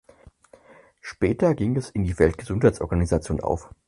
Später ging es in die Weltgesundheitsorganisation auf.